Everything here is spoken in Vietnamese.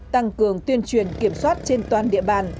tăng cường tuyên truyền kiểm soát trên toàn địa bàn